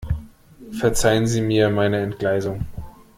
Verzeihen Sie mir meine Entgleisung.